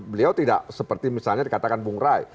beliau tidak seperti misalnya dikatakan bung rai